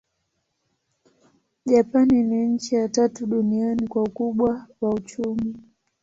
Japani ni nchi ya tatu duniani kwa ukubwa wa uchumi.